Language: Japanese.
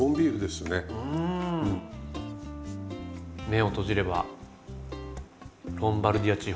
目を閉じればロンバルディア地方。